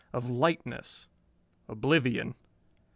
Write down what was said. of lightness.... Oblivion!